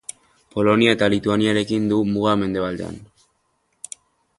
Polonia eta Lituaniarekin du muga mendebaldean.